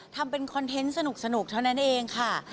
ทำเป็นคอนเทนต์สนุกเท่านั้นเองค่ะ